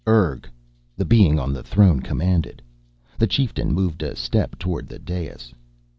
"Urg!" the being on the throne commanded. The chieftain moved a step toward the dais.